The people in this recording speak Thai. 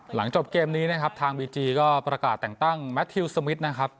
หลังจบเกมนี้นะครับทางบีจีก็ประกาศแต่งตั้งแมททิวสมิทนะครับ